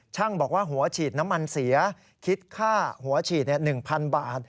บอกว่าหัวฉีดน้ำมันเสียคิดค่าหัวฉีด๑๐๐๐บาท